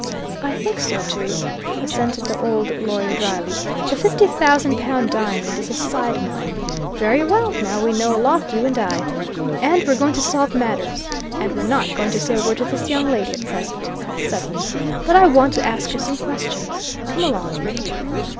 "I think so too," assented the old lawyer, dryly. "The fifty thousand pound diamond is a side mine. Very well, now we know a lot, you and I. And, we're going to solve matters. And we're not going to say a word to this young lady, at present that's settled. But I want to ask her some questions come along."